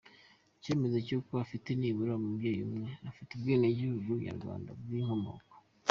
Icyemezo cy’uko afite nibura umubyeyi umwe ufite ubwenegihugu nyarwanda bw’inkomoko